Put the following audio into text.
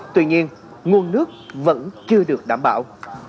tuy nhiên nguồn nước vẫn chưa được đảm bảo